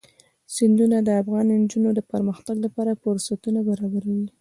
سیندونه د افغان نجونو د پرمختګ لپاره فرصتونه برابروي.